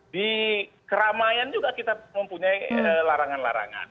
di keramaian juga kita mempunyai larangan larangan